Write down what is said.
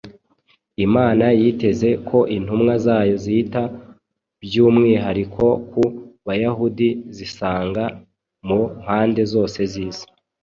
Imana yiteze ko intumwa zayo zita by’umwihariko ku Bayahudi zisanga mu mpande zose z’isi.